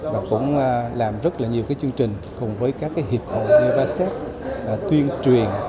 và cũng làm rất là nhiều chương trình cùng với các hiệp hội vivasep tuyên truyền